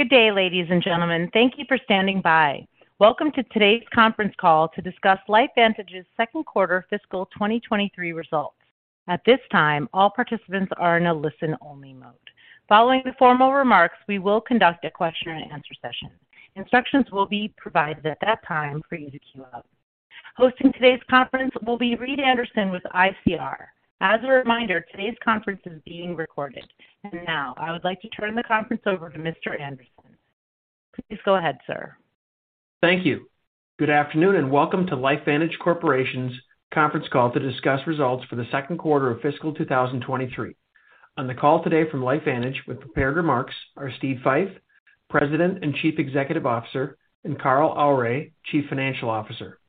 Good day, ladies and gentlemen. Thank you for standing by. Welcome to today's conference call to discuss LifeVantage's second quarter fiscal 2023 results. At this time, all participants are in a listen-only mode. Following the formal remarks, we will conduct a question-and-answer session. Instructions will be provided at that time for you to queue up. Hosting today's conference will be Reed Anderson with ICR. As a reminder, today's conference is being recorded. Now, I would like to turn the conference over to Mr. Anderson. Please go ahead, sir. Thank you. Good afternoon, and welcome to LifeVantage Corporation's conference call to discuss results for the second quarter of fiscal 2023. On the call today from LifeVantage with prepared remarks are Steve Fife, President and Chief Executive Officer, and Carl Aure, Chief Financial Officer.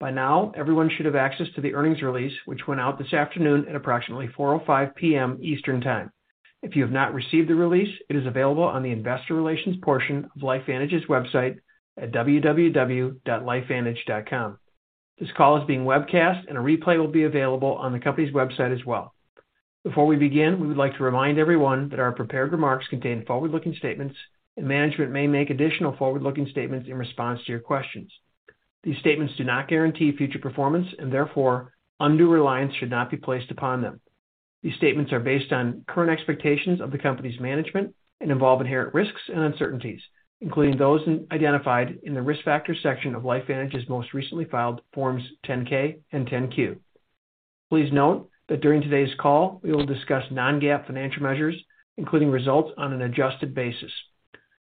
By now, everyone should have access to the earnings release, which went out this afternoon at approximately 4:05 P.M. Eastern Time. If you have not received the release, it is available on the investor relations portion of LifeVantage's website at www.lifevantage.com. This call is being webcast, and a replay will be available on the company's website as well. Before we begin, we would like to remind everyone that our prepared remarks contain forward-looking statements, and management may make additional forward-looking statements in response to your questions. These statements do not guarantee future performance and therefore undue reliance should not be placed upon them. These statements are based on current expectations of the company's management and involve inherent risks and uncertainties, including those identified in the Risk Factors section of LifeVantage's most recently filed Forms 10-K and 10-Q. Please note that during today's call, we will discuss non-GAAP financial measures, including results on an adjusted basis.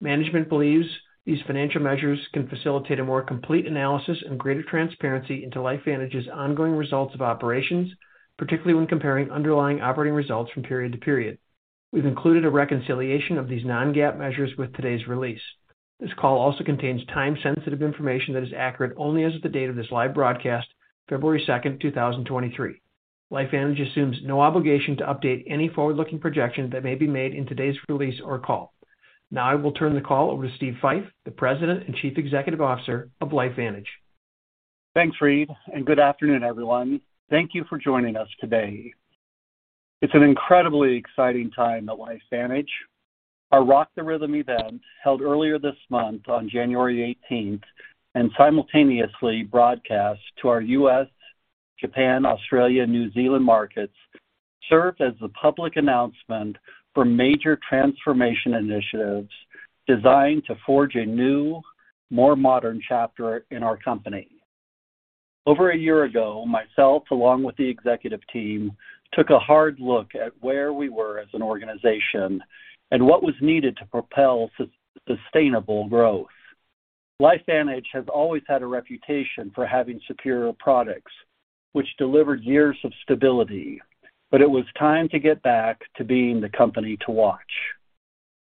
Management believes these financial measures can facilitate a more complete analysis and greater transparency into LifeVantage's ongoing results of operations, particularly when comparing underlying operating results from period to period. We've included a reconciliation of these non-GAAP measures with today's release. This call also contains time-sensitive information that is accurate only as of the date of this live broadcast, February second, 2023. LifeVantage assumes no obligation to update any forward-looking projection that may be made in today's release or call. Now I will turn the call over to Steve Fife, the President and Chief Executive Officer of LifeVantage. Thanks, Reed. Good afternoon, everyone. Thank you for joining us today. It's an incredibly exciting time at LifeVantage. Our Rock the Rhythm event, held earlier this month on January eighteenth and simultaneously broadcast to our U.S., Japan, Australia, New Zealand markets, served as the public announcement for major transformation initiatives designed to forge a new, more modern chapter in our company. Over a year ago, myself, along with the executive team, took a hard look at where we were as an organization and what was needed to propel sustainable growth. LifeVantage has always had a reputation for having superior products, which delivered years of stability. It was time to get back to being the company to watch.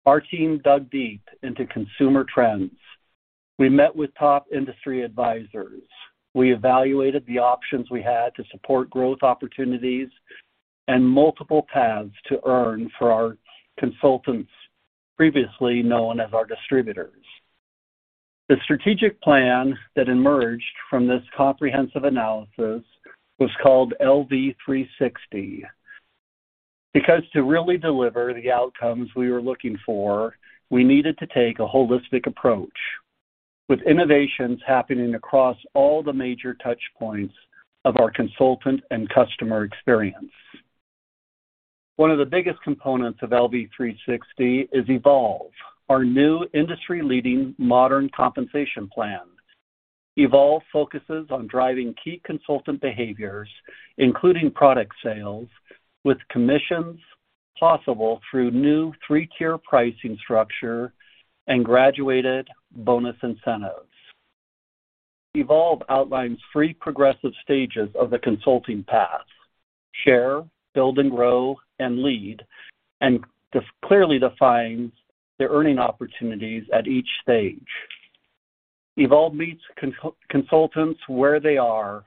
Our team dug deep into consumer trends. We met with top industry advisors. We evaluated the options we had to support growth opportunities and multiple paths to earn for our consultants, previously known as our distributors. The strategic plan that emerged from this comprehensive analysis was called LV360 because to really deliver the outcomes we were looking for, we needed to take a holistic approach, with innovations happening across all the major touch points of our consultant and customer experience. One of the biggest components of LV360 is Evolve, our new industry-leading modern compensation plan. Evolve focuses on driving key consultant behaviors, including product sales, with commissions possible through new three-tier pricing structure and graduated bonus incentives. Evolve outlines three progressive stages of the consulting path, share, build and grow, and lead, and clearly defines the earning opportunities at each stage. Evolve meets consultants where they are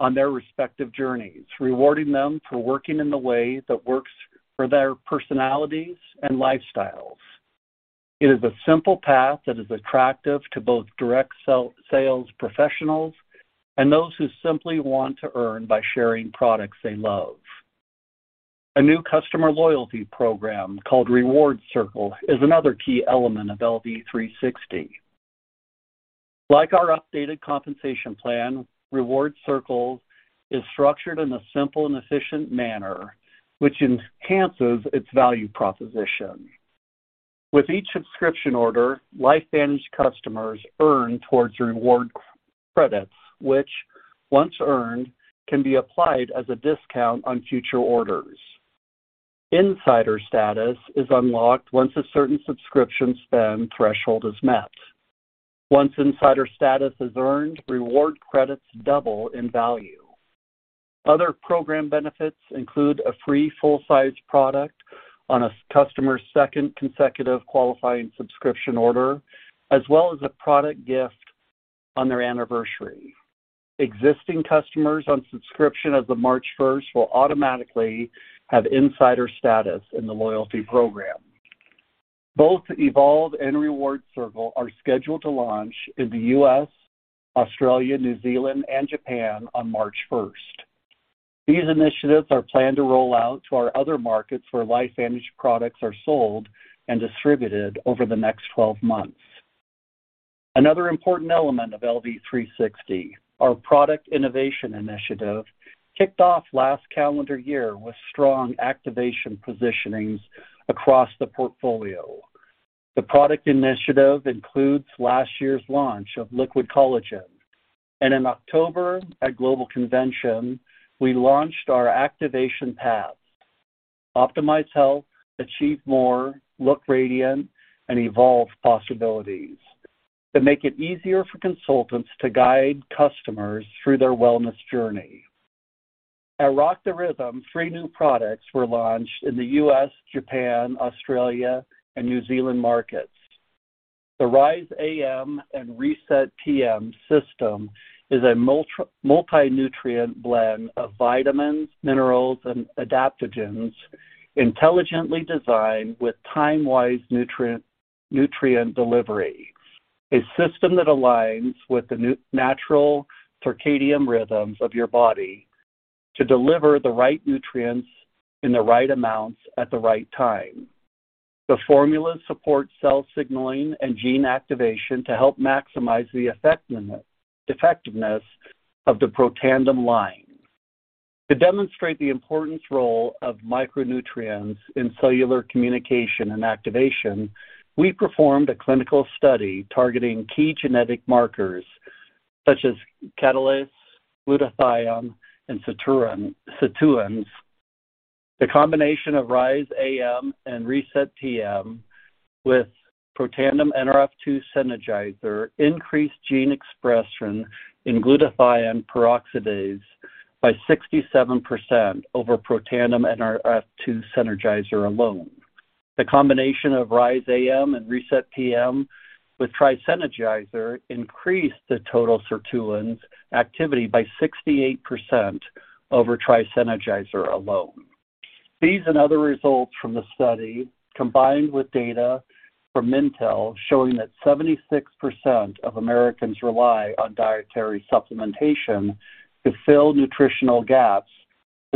on their respective journeys, rewarding them for working in the way that works for their personalities and lifestyles. It is a simple path that is attractive to both direct sales professionals and those who simply want to earn by sharing products they love. A new customer loyalty program called Rewards Circle is another key element of LV360. Like our updated compensation plan, Rewards Circle is structured in a simple and efficient manner, which enhances its value proposition. With each subscription order, LifeVantage customers earn towards reward credits, which, once earned, can be applied as a discount on future orders. Insider status is unlocked once a certain subscription spend threshold is met. Once insider status is earned, reward credits double in value. Other program benefits include a free full-size product on a customer's second consecutive qualifying subscription order, as well as a product gift on their anniversary. Existing customers on subscription as of March 1st will automatically have insider status in the loyalty program. Both Evolve and Rewards Circle are scheduled to launch in the US, Australia, New Zealand, and Japan on March 1st. These initiatives are planned to roll out to our other markets where LifeVantage products are sold and distributed over the next 12 months. Another important element of LV360, our product innovation initiative, kicked off last calendar year with strong activation positionings across the portfolio. The product initiative includes last year's launch of Liquid Collagen. In October, at Global Convention, we launched our activation paths, Optimize Health, Achieve More, Look Radiant, and Evolve Possibilities, to make it easier for consultants to guide customers through their wellness journey. At Rock the Rhythm, three new products were launched in the US, Japan, Australia, and New Zealand markets. The Rise AM and Reset PM system is a multi-nutrient blend of vitamins, minerals, and adaptogens intelligently designed with time-wise nutrient delivery, a system that aligns with the natural circadian rhythms of your body to deliver the right nutrients in the right amounts at the right time. The formula supports cell signaling and gene activation to help maximize the effectiveness of the Protandim line. To demonstrate the important role of micronutrients in cellular communication and activation, we performed a clinical study targeting key genetic markers such as catalase, glutathione, and sirtuins. The combination of Rise AM and Reset PM with Protandim Nrf2 Synergizer increased gene expression in glutathione peroxidase by 67% over Protandim Nrf2 Synergizer alone. The combination of Rise AM and Reset PM with TriSynergizer increased the total sirtuins activity by 68% over TriSynergizer alone. These and other results from the study, combined with data from Mintel showing that 76% of Americans rely on dietary supplementation to fill nutritional gaps,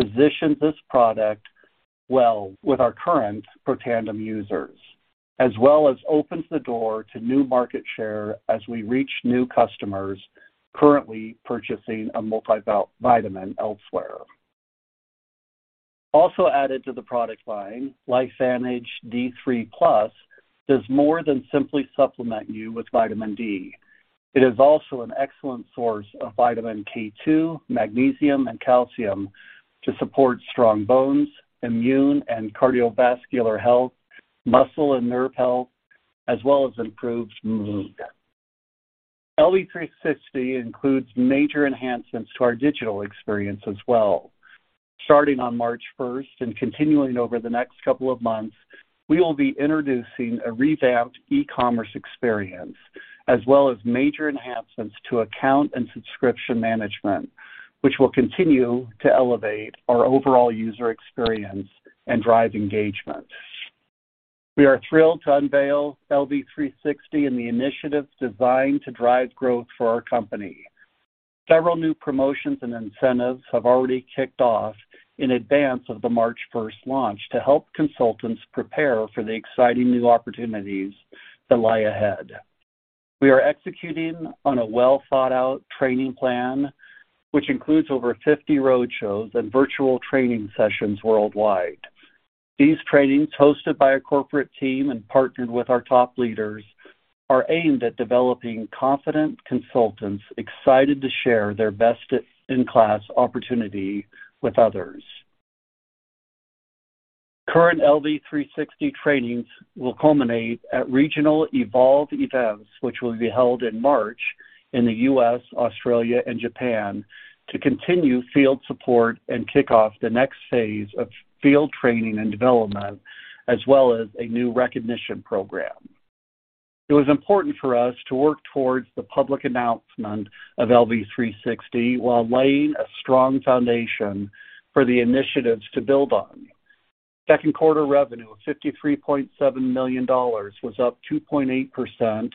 positions this product well with our current Protandim users, as well as opens the door to new market share as we reach new customers currently purchasing a multivitamin elsewhere. Added to the product line, LifeVantage D3+ does more than simply supplement you with vitamin D. It is also an excellent source of vitamin K2, magnesium, and calcium to support strong bones, immune and cardiovascular health, muscle and nerve health, as well as improved mood. LV360 includes major enhancements to our digital experience as well. Starting on March first and continuing over the next couple of months, we will be introducing a revamped e-commerce experience as well as major enhancements to account and subscription management, which will continue to elevate our overall user experience and drive engagement. We are thrilled to unveil LV360 and the initiatives designed to drive growth for our company. Several new promotions and incentives have already kicked off in advance of the March first launch to help consultants prepare for the exciting new opportunities that lie ahead. We are executing on a well-thought-out training plan, which includes over 50 roadshows and virtual training sessions worldwide. These trainings, hosted by a corporate team and partnered with our top leaders, are aimed at developing confident consultants excited to share their best in class opportunity with others. Current LV360 trainings will culminate at regional Evolve events, which will be held in March in the U.S., Australia, and Japan to continue field support and kick off the next phase of field training and development, as well as a new recognition program. It was important for us to work towards the public announcement of LV360 while laying a strong foundation for the initiatives to build on. Second quarter revenue of $53.7 million was up 2.8%,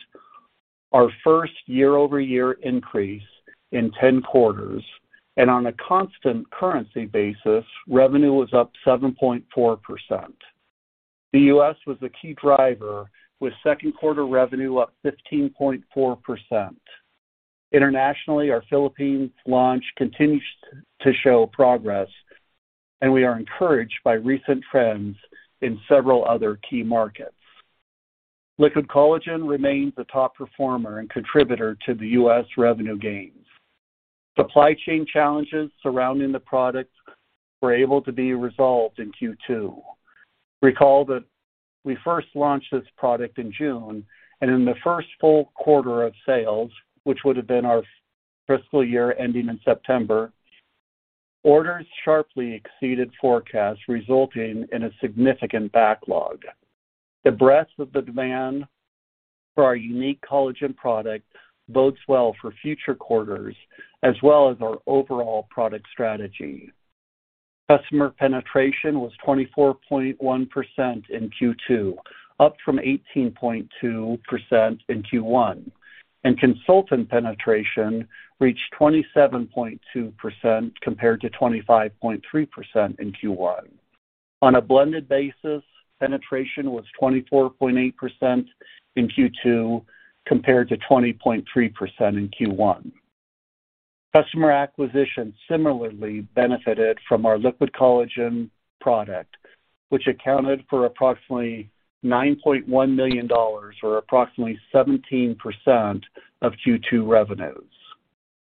our first year-over-year increase in 10 quarters. On a constant currency basis, revenue was up 7.4%. The U.S. was the key driver with second quarter revenue up 15.4%. Internationally, our Philippines launch continues to show progress, and we are encouraged by recent trends in several other key markets. Liquid Collagen remains a top performer and contributor to the U.S. revenue gains. Supply chain challenges surrounding the product were able to be resolved in Q2. Recall that we first launched this product in June. In the first full quarter of sales, which would have been our fiscal year ending in September, orders sharply exceeded forecasts, resulting in a significant backlog. The breadth of the demand for our unique collagen product bodes well for future quarters as well as our overall product strategy. Customer penetration was 24.1% in Q2, up from 18.2% in Q1. Consultant penetration reached 27.2% compared to 25.3% in Q1. On a blended basis, penetration was 24.8% in Q2 compared to 20.3% in Q1. Customer acquisition similarly benefited from our Liquid Collagen product, which accounted for approximately $9.1 million, or approximately 17% of Q2 revenues.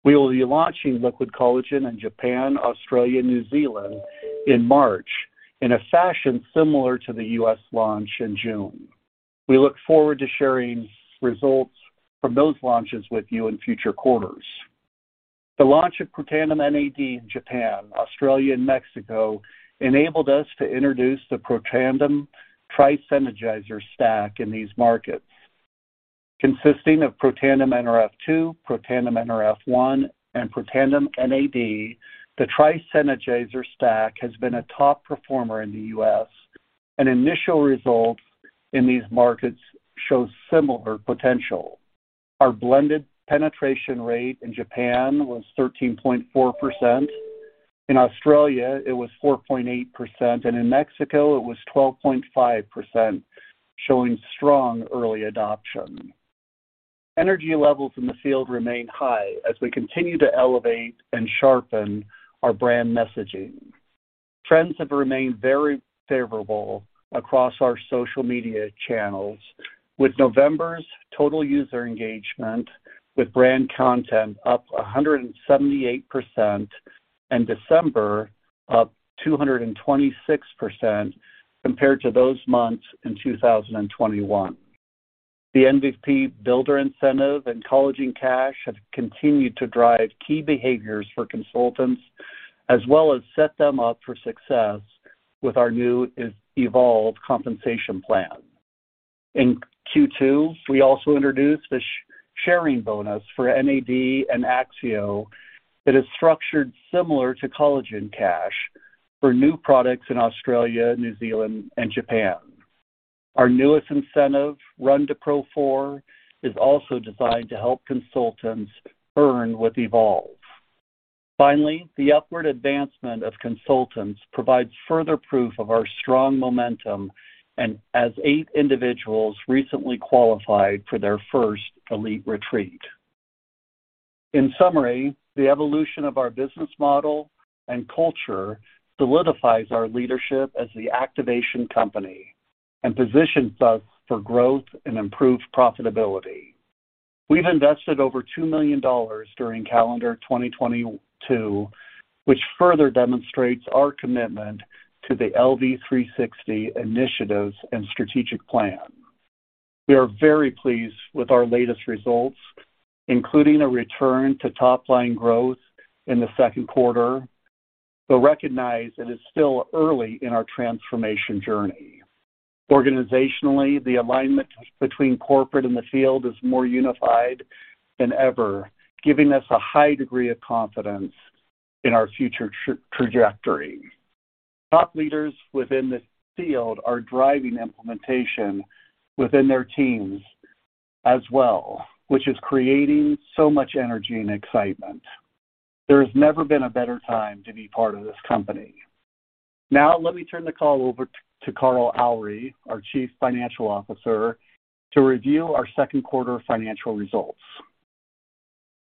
We will be launching Liquid Collagen in Japan, Australia, New Zealand in March in a fashion similar to the U.S. launch in June. We look forward to sharing results from those launches with you in future quarters. The launch of Protandim NAD in Japan, Australia, and Mexico enabled us to introduce the Protandim Tri-Synergizer stack in these markets, consisting of Protandim Nrf2, Protandim NRF1, and Protandim NAD. The Tri-Synergizer stack has been a top performer in the U.S., and initial results in these markets show similar potential. Our blended penetration rate in Japan was 13.4%. In Australia, it was 4.8%, and in Mexico it was 12.5%, showing strong early adoption. Energy levels in the field remain high as we continue to elevate and sharpen our brand messaging. Trends have remained very favorable across our social media channels, with November's total user engagement with brand content up 178% and December up 226% compared to those months in 2021. The MVP Builder incentive and Collagen Cash have continued to drive key behaviors for consultants as well as set them up for success with our new Evolve compensation plan. In Q2, we also introduced the Sharing Bonus for NAD and AXIO that is structured similar to Collagen Cash for new products in Australia, New Zealand and Japan. Our newest incentive, Run to Pro 4, is also designed to help consultants earn with Evolve. The upward advancement of consultants provides further proof of our strong momentum and as eight individuals recently qualified for their first Elite Retreat. In summary, the evolution of our business model and culture solidifies our leadership as the activation company and positions us for growth and improved profitability. We've invested over $2 million during calendar 2022, which further demonstrates our commitment to the LV360 initiatives and strategic plan. We are very pleased with our latest results, including a return to top-line growth in the second quarter, but recognize it is still early in our transformation journey. Organizationally, the alignment between corporate and the field is more unified than ever, giving us a high degree of confidence in our future trajectory. Top leaders within the field are driving implementation within their teams as well, which is creating so much energy and excitement. There has never been a better time to be part of this company. Now let me turn the call over to Carl Aure, our Chief Financial Officer, to review our second quarter financial results.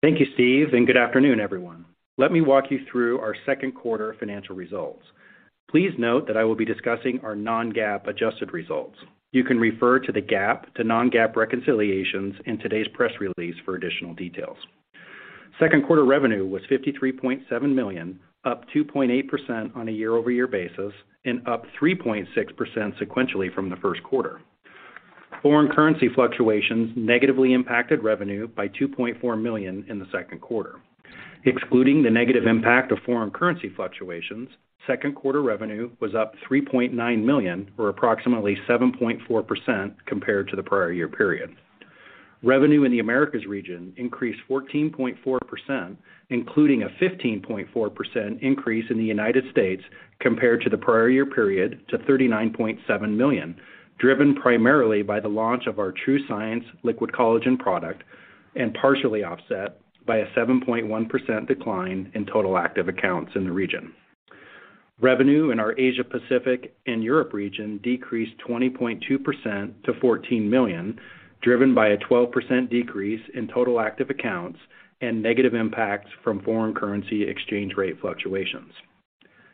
Thank you, Steve. Good afternoon, everyone. Let me walk you through our second quarter financial results. Please note that I will be discussing our non-GAAP adjusted results. You can refer to the GAAP to non-GAAP reconciliations in today's press release for additional details. Second quarter revenue was $53.7 million, up 2.8% on a year-over-year basis and up 3.6% sequentially from the first quarter. Foreign currency fluctuations negatively impacted revenue by $2.4 million in the second quarter. Excluding the negative impact of foreign currency fluctuations, second quarter revenue was up $3.9 million or approximately 7.4% compared to the prior year period. Revenue in the Americas region increased 14.4%, including a 15.4% increase in the United States compared to the prior year period to $39.7 million, driven primarily by the launch of our TrueScience Liquid Collagen product and partially offset by a 7.1% decline in total active accounts in the region. Revenue in our Asia Pacific and Europe region decreased 20.2% to $14 million, driven by a 12% decrease in total active accounts and negative impacts from foreign currency exchange rate fluctuations.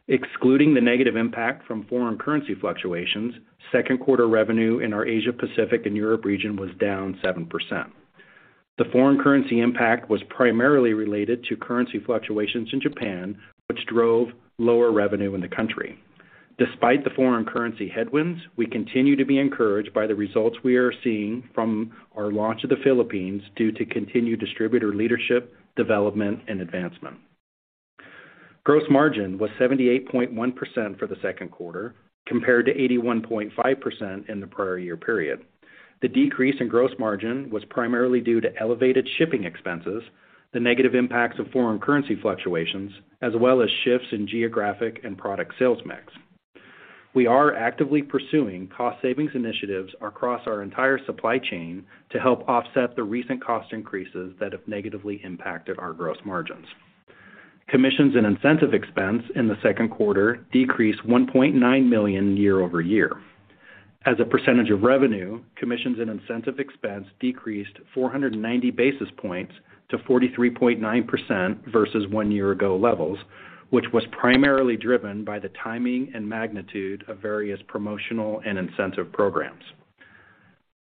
Excluding the negative impact from foreign currency fluctuations, second quarter revenue in our Asia Pacific and Europe region was down 7%. The foreign currency impact was primarily related to currency fluctuations in Japan, which drove lower revenue in the country. Despite the foreign currency headwinds, we continue to be encouraged by the results we are seeing from our launch of the Philippines due to continued distributor leadership, development, and advancement. Gross margin was 78.1% for the second quarter compared to 81.5% in the prior year period. The decrease in gross margin was primarily due to elevated shipping expenses, the negative impacts of foreign currency fluctuations, as well as shifts in geographic and product sales mix. We are actively pursuing cost savings initiatives across our entire supply chain to help offset the recent cost increases that have negatively impacted our gross margins. Commissions and incentive expense in the second quarter decreased $1.9 million year-over-year. As a percentage of revenue, commissions and incentive expense decreased 490 basis points to 43.9% versus one year ago levels, which was primarily driven by the timing and magnitude of various promotional and incentive programs.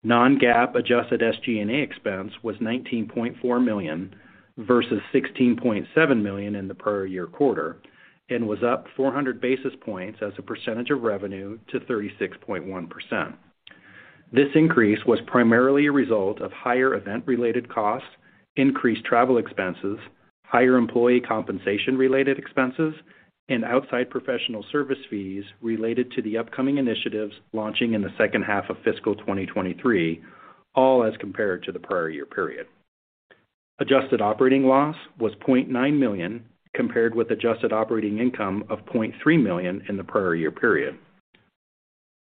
Non-GAAP adjusted SG&A expense was $19.4 million versus $16.7 million in the prior year quarter and was up 400 basis points as a percentage of revenue to 36.1%. This increase was primarily a result of higher event-related costs, increased travel expenses, higher employee compensation-related expenses, and outside professional service fees related to the upcoming initiatives launching in the H2 of fiscal 2023, all as compared to the prior year period. Adjusted operating loss was $0.9 million compared with adjusted operating income of $0.3 million in the prior year period.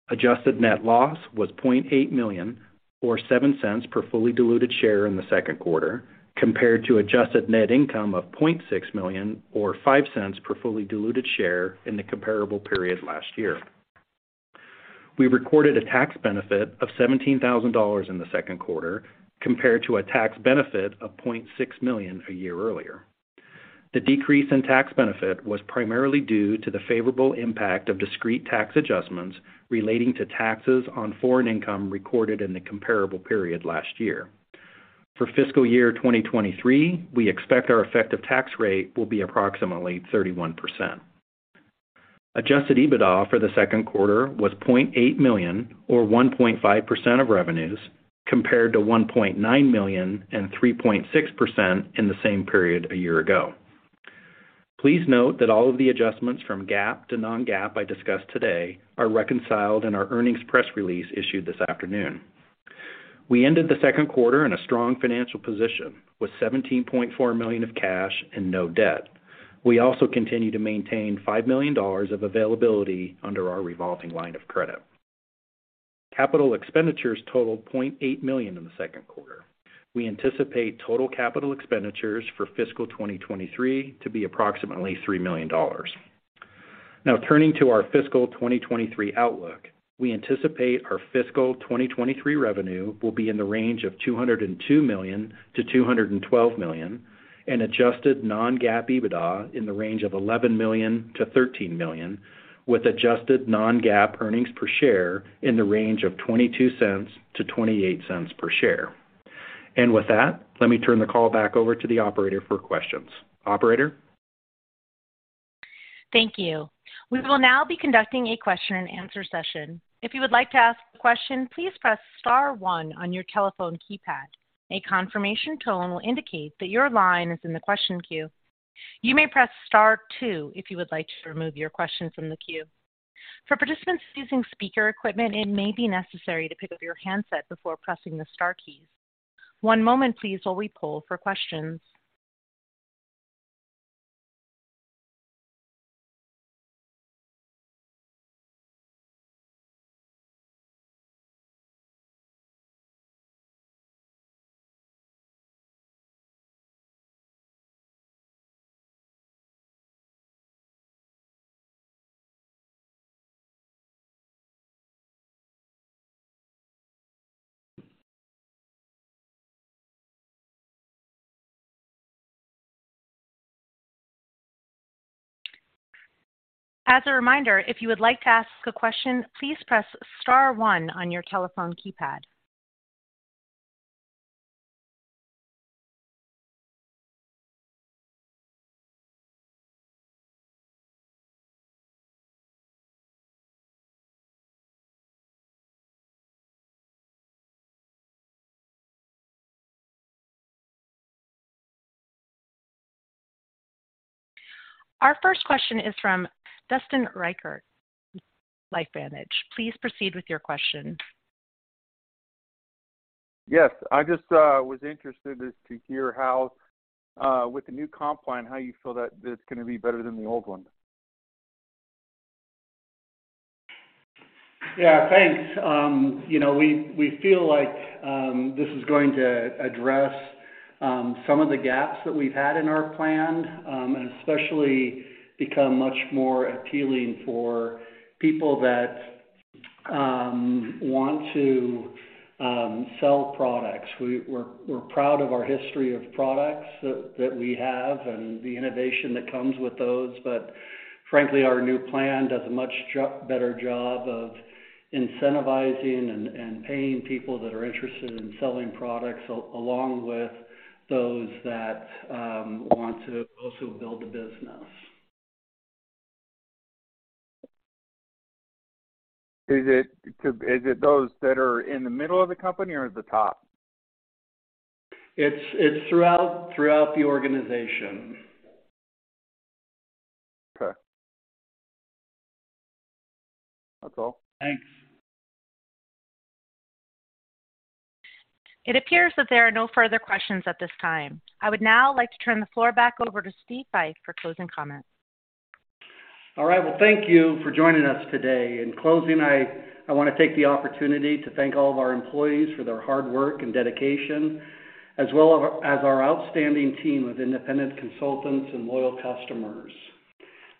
Adjusted net loss was $0.8 million, or $0.07 per fully diluted share in the second quarter, compared to adjusted net income of $0.6 million or $0.05 per fully diluted share in the comparable period last year. We recorded a tax benefit of $17,000 in the second quarter compared to a tax benefit of $0.6 million a year earlier. The decrease in tax benefit was primarily due to the favorable impact of discrete tax adjustments relating to taxes on foreign income recorded in the comparable period last year. For fiscal year 2023, we expect our effective tax rate will be approximately 31%. Adjusted EBITDA for the second quarter was $0.8 million or 1.5% of revenues, compared to $1.9 million and 3.6% in the same period a year ago. Please note that all of the adjustments from GAAP to non-GAAP I discussed today are reconciled in our earnings press release issued this afternoon. We ended the second quarter in a strong financial position with $17.4 million of cash and no debt. We also continue to maintain $5 million of availability under our revolving line of credit. Capital expenditures totaled $0.8 million in the second quarter. We anticipate total capital expenditures for fiscal 2023 to be approximately $3 million. Turning to our fiscal 2023 outlook, we anticipate our fiscal 2023 revenue will be in the range of $202 million-$212 million, and adjusted non-GAAP EBITDA in the range of $11 million-$13 million, with adjusted non-GAAP earnings per share in the range of $0.22-$0.28 per share. With that, let me turn the call back over to the operator for questions. Operator? Thank you. We will now be conducting a question and answer session. If you would like to ask a question, please press star one on your telephone keypad. A confirmation tone will indicate that your line is in the question queue. You may press star two if you would like to remove your question from the queue. For participants using speaker equipment, it may be necessary to pick up your handset before pressing the star keys. One moment please while we poll for questions. As a reminder, if you would like to ask a question, please press star one on your telephone keypad. Our first question is from Dustin Reichert, LifeVantage. Please proceed with your question. Yes, I just was interested as to hear how with the new comp plan, how you feel that it's gonna be better than the old one? Yeah, thanks. You know, we feel like this is going to address some of the gaps that we've had in our plan and especially become much more appealing for people that want to sell products. We're proud of our history of products that we have and the innovation that comes with those. Frankly, our new plan does a much better job of incentivizing and paying people that are interested in selling products along with those that want to also build a business. Is it those that are in the middle of the company or at the top? It's throughout the organization. Okay. That's all. Thanks. It appears that there are no further questions at this time. I would now like to turn the floor back over to Steve Fife for closing comments. All right. Well, thank you for joining us today. In closing, I wanna take the opportunity to thank all of our employees for their hard work and dedication, as well as our outstanding team of independent consultants and loyal customers.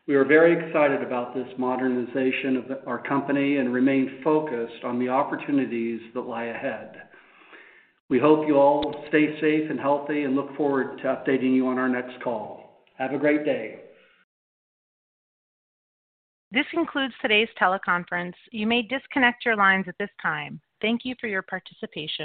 We are very excited about this modernization of our company and remain focused on the opportunities that lie ahead. We hope you all stay safe and healthy and look forward to updating you on our next call. Have a great day. This concludes today's teleconference. You may disconnect your lines at this time. Thank you for your participation.